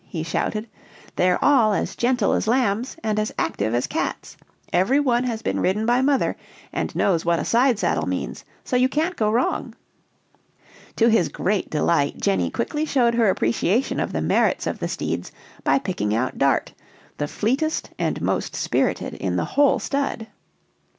he shouted; "they're all as gentle as lambs, and as active as cats. Every one has been ridden by mother; and knows what a side saddle means, so you can't go wrong." To his great delight, Jenny quickly showed her appreciation of the merits of the steeds by picking out Dart, the fleetest and most spirited in the whole stud.